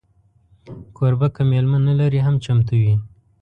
کوربه که میلمه نه لري، هم چمتو وي.